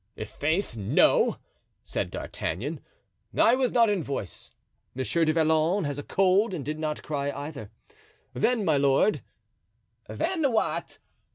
"I'faith, no," said D'Artagnan; "I was not in voice; Monsieur du Vallon has a cold and did not cry either. Then, my lord——" "Then what?"